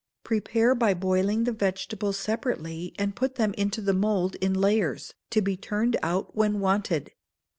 Prepare by boiling the vegetables separately, and put them into the mould in layers, to be turned out when wanted.